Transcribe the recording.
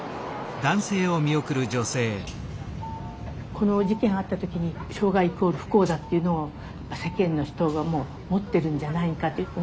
この事件あった時に障害イコール不幸だっていうのを世間の人が思ってるんじゃないかって思いました。